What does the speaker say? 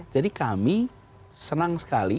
jadi kami senang sekali